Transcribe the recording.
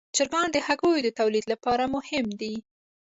چرګان د هګیو د تولید لپاره مهم دي.